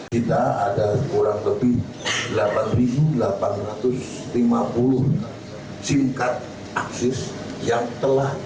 kita ada kurang lebih delapan delapan ratus lima puluh sim card akses yang telah